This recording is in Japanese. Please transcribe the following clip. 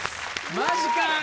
マジか。